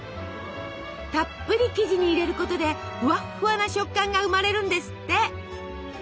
たっぷり生地に入れることでフワッフワな食感が生まれるんですって。